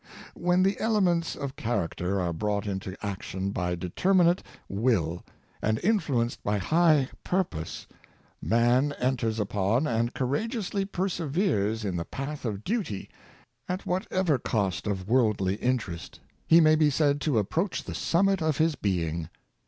When the elements of character are brought into ac tion by determinate will and influenced by high pur pose, man enters upon and courageously* perseveres in the path of duty, at whatever cost of worldly interest, he may be said to approach the summit of his being.